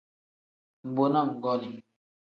Mbo na nggonii.